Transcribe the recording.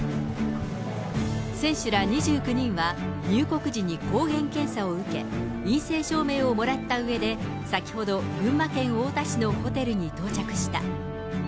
選手ら２９人は、入国時に抗原検査を受け、陰性証明をもらったうえで、先ほど群馬県太田市のホテルに到着した。